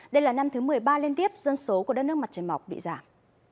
đây là năm thứ một mươi ba liên tiếp dân số của đất nước mặt trời mọc bị giảm